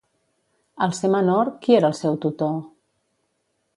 Al ser menor, qui era el seu tutor?